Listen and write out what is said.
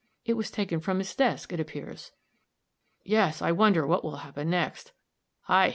It was taken from his desk, it appears." "Yes; I wonder what will happen next." "Ay!